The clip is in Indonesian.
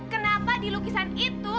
kenapa di lukisan itu